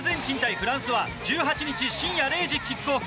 フランスは１８日、深夜０時キックオフ。